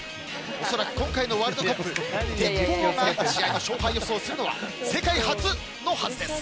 恐らく今回のワールドカップでテッポウウオが試合の勝敗予想をするのは世界初のはずです。